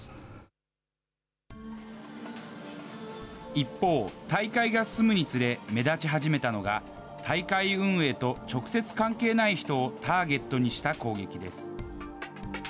一方、大会が進むにつれ、目立ち始めたのが、大会運営と直接関係ない人をターゲットにした攻撃です。